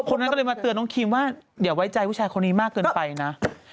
คนนั้นก็เลยมาเตือนน้องคิมว่าอย่าไว้ใจผู้ชายคนนี้มากเกินไปนะ